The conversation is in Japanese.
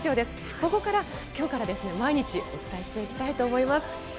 ここから今日から毎日お伝えしていきたいと思います。